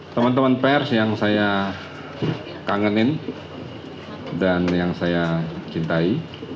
teman teman pers yang saya kangenin dan yang saya cintai